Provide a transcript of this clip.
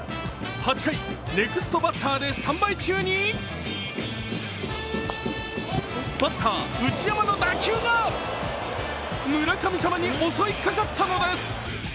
８回、ネクストバッターでスタンバイ中にバッター、内山の打球が村神様に襲いかかったのです。